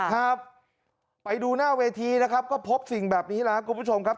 ครับไปดูหน้าเวทีนะครับก็พบสิ่งแบบนี้แล้วครับคุณผู้ชมครับ